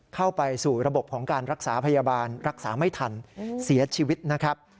เข้าไปสู่ระบบของการรักษาพยาบาลรักษาไม่ทันเสียชีวิตนะครับ